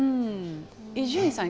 伊集院さん